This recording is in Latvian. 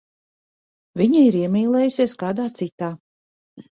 Viņa ir iemīlējusies kādā citā.